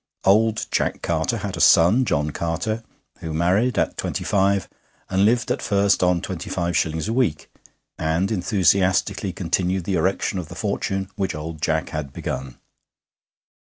Old Jack Carter had a son John Carter, who married at twenty five and lived at first on twenty five shillings a week, and enthusiastically continued the erection of the fortune which old Jack had begun.